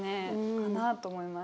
かなあと思います。